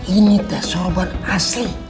ini teh sorban asli